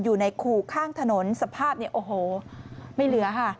อยู่ในขู่ข้างถนนสภาพเนี่ยโอ้โหไม่เหลือค่ะ